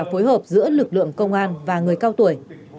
phối hợp giữa lực lượng công an và người cao tuổi